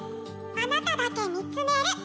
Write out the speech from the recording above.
「『あなただけ見つめる』」。